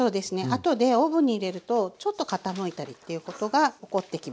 あとでオーブンに入れるとちょっと傾いたりっていうことが起こってきます。